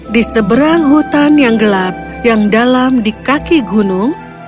di seberang hutan yang gelap yang dalam di kaki gunung